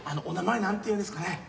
お名前なんていうんです？